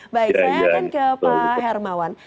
baik saya akan ke pak hermawan